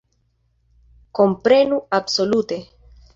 Komprenu, absolute!